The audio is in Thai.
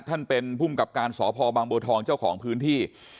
ท่านเป็นภูมิกับการสพบางบัวทองเจ้าของพื้นที่